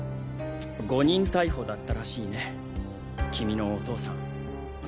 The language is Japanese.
誤認逮捕だったらしいね君のお父さん。